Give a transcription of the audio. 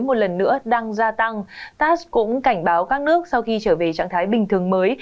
một lần nữa đang gia tăng tass cũng cảnh báo các nước sau khi trở về trạng thái bình thường mới